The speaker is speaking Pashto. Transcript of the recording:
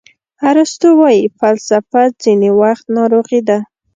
ارسطو وایي فلسفه ځینې وخت ناروغي ده.